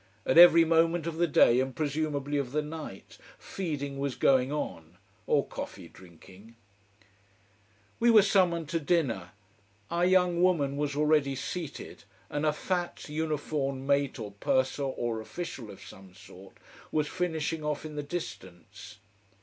At every moment of the day and presumably of the night, feeding was going on or coffee drinking. We were summoned to dinner. Our young woman was already seated: and a fat uniformed mate or purser or official of some sort was finishing off in the distance.